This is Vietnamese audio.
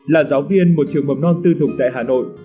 là giáo viên một trường mầm non tư thục tại hà nội